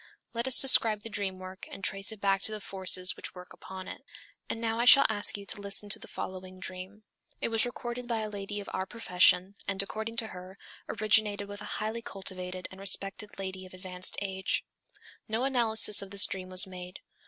Let us describe the dream work and trace it back to the forces which work upon it. And now I shall ask you to listen to the following dream. It was recorded by a lady of our profession, and according to her, originated with a highly cultivated and respected lady of advanced age. No analysis of this dream was made.